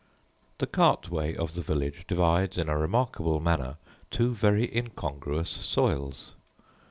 The cart way of the village divides, in a remarkable manner, two very incongruous soils.